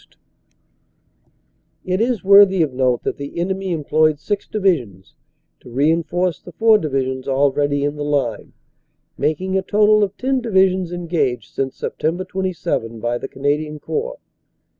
260 CANADA S HUNDRED DAYS "It is worthy of note that the enemy employed six Divisions to reinforce the four Divisions already in the line, making a total of ten Divisions engaged since Sept. 27 by the Canadian Corps.